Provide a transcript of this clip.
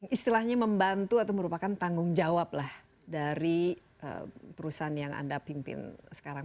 istilahnya membantu atau merupakan tanggung jawab lah dari perusahaan yang anda pimpin sekarang